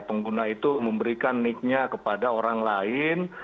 pengguna itu memberikan nicknya kepada orang lain